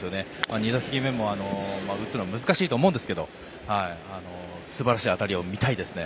２打席目も打つのは難しいと思うんですけど素晴らしい当たりを見たいですね。